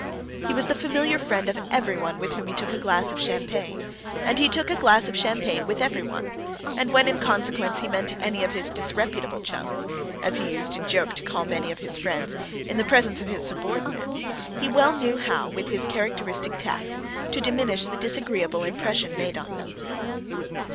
He was the familiar friend of everyone with whom he took a glass of champagne, and he took a glass of champagne with everyone, and when in consequence he met any of his disreputable chums, as he used in joke to call many of his friends, in the presence of his subordinates, he well knew how, with his characteristic tact, to diminish the disagreeable impression made on them.